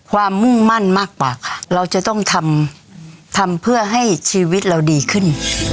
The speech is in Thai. มุ่งมั่นมากกว่าเราจะต้องทำทำเพื่อให้ชีวิตเราดีขึ้น